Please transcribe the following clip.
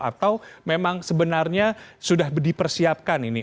atau memang sebenarnya sudah dipersiapkan ini